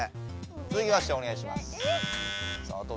つづきましておねがいします。